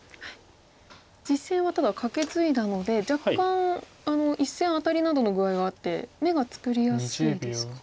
実戦はただカケツイだので若干１線アタリなどの具合があって眼が作りやすいですか。